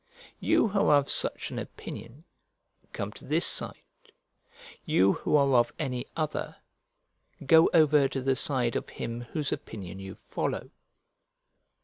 You who are of such an opinion, come to this side; you who are of any other, go over to the side of him whose opinion you follow.